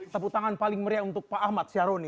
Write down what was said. tepuk tangan paling meriah untuk pak ahmad syaroni